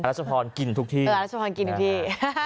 ตลาดราชพรกินทุกที่